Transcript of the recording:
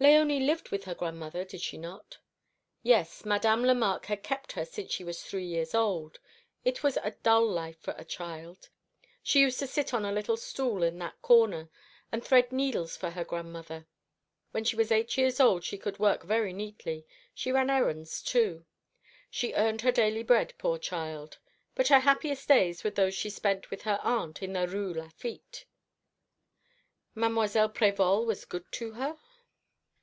"Léonie lived with her grandmother, did she not?" "Yes, Madame Lemarque had kept her since she was three years old. It was a dull life for a child. She used to sit on a little stool in that corner, and thread needles for her grandmother. When she was eight years old she could work very neatly; she ran errands too. She earned her daily bread, poor child. But her happiest days were those she spent with her aunt in the Rue Lafitte." "Mademoiselle Prévol was good to her?"